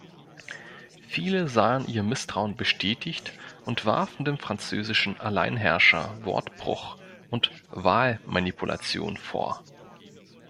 Viele sahen ihr Misstrauen bestätigt und warfen dem französischen Alleinherrscher Wortbruch und Wahlmanipulation vor.